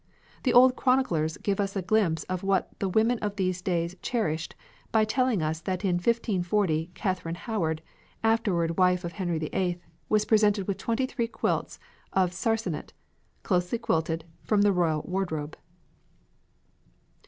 The old chroniclers give us a glimpse of what the women of these days cherished by telling us that in 1540 Katherine Howard, afterward wife of Henry VIII, was presented with twenty three quilts of Sarsenet, closely quilted, from the Royal Wardrobe.